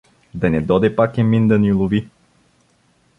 — Да не доде пак Емин да ни лови?